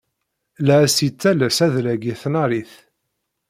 La as-yettales adlag i tnarit.